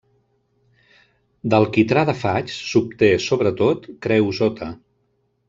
Del quitrà de faig s'obté, sobretot, creosota.